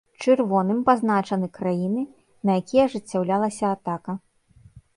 Чырвоным пазначаныя краіны, на якія ажыццяўлялася атака.